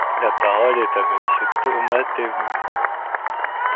La parole est à Monsieur Thomas Thévenoud.